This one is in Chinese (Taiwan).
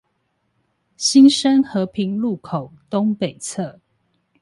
新生和平路口東北側